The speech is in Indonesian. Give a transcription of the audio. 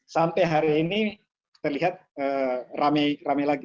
sampai hari ini terlihat rame rame lagi